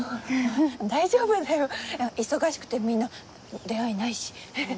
大丈夫だよいや忙しくてみんな出会いないしフフフフ。